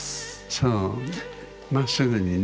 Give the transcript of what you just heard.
そうまっすぐにね。